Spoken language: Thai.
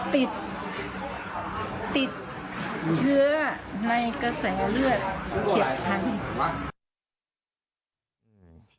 ติดเชื้อในกระแสเลือดเฉียบพันธุ์